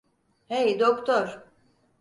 Hey, doktor.